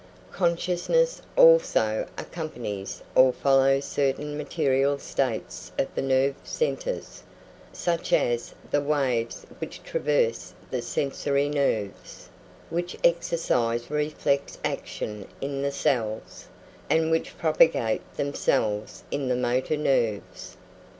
Consciousness also accompanies or follows certain material states of the nerve centres, such as the waves which traverse the sensory nerves, which exercise reflex action in the cells, and which propagate themselves in the motor nerves.